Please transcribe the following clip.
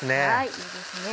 いいですね。